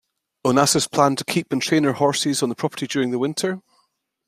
Onassis planned to keep and train her horses on the property during the winter.